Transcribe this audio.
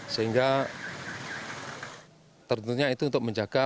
sehingga tentunya itu untuk menjaga